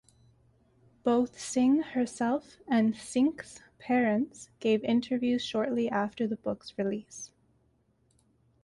Both Singh herself and Cinque's parents gave interviews shortly after the book's release.